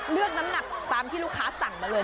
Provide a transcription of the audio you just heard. น้ำหนักตามที่ลูกค้าสั่งมาเลย